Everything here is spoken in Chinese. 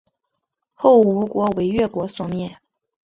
后吴国为越国所灭。